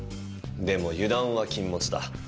でも油断は禁物だ。